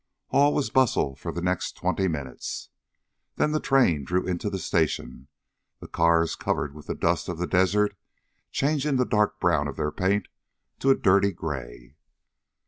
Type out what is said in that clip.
All was bustle for the next twenty minutes. Then the train drew into the station, the cars covered with the dust of the desert, changing the dark brown of their paint to a dirty gray.